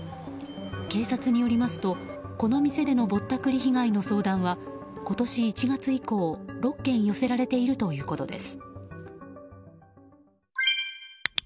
警察によりますと、この店でのぼったくり被害の相談は今年１月以降６件寄せられているということです。